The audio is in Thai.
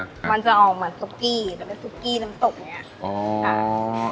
มันจะออกเหมือนซุกกี้แต่เป็นซุกกี้น้ำตกอย่างนี้ค่ะ